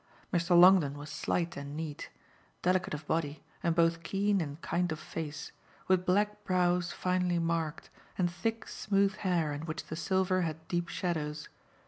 Mr. Longdon was slight and neat, delicate of body and both keen and kind of face, with black brows finely marked and thick smooth hair in which the silver had deep shadows.